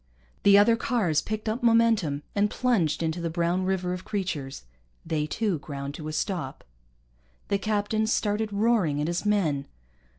The other cars picked up momentum and plunged into the brown river of creatures. They too ground to a stop. The captain started roaring at his men.